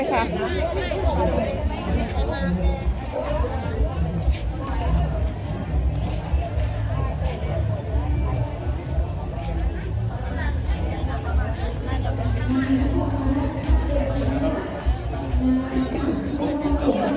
ไหนนี่เธอถามมาไม่รู้